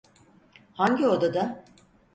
Hangi odada?